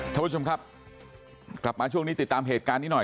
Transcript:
ท่านผู้ชมครับกลับมาช่วงนี้ติดตามเหตุการณ์นี้หน่อย